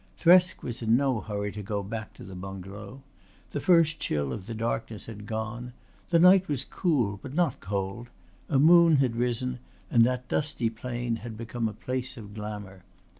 Thresk was in no hurry to go back to the bungalow. The first chill of the darkness had gone. The night was cool but not cold; a moon had risen, and that dusty plain had become a place of glamour.